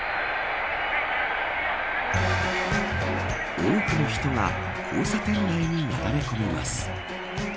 多くの人が交差点内になだれ込みます。